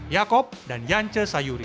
jakob dan yance sayuri